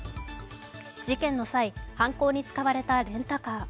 事件の際、犯行に使われたレンタカー。